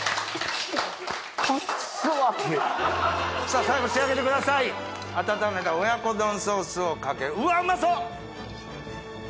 さあ最後仕上げてください温めた親子丼ソースをかけるわっうまそう！